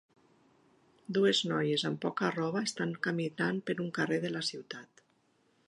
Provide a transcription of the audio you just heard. Dues noies amb poca roba estan caminant per un carrer de la ciutat.